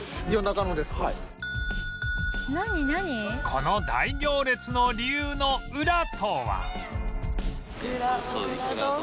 この大行列の理由のウラとは？